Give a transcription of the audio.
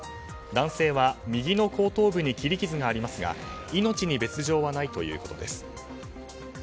男性は右の後頭部に切り傷がありますが命に別条はないということです。